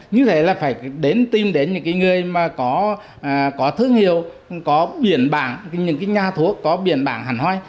như thế là phải tìm đến những người có thương hiệu có biển bảng những nhà thuốc có biển bảng hẳn hoi